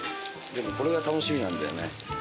でもこれが楽しみなんだよね。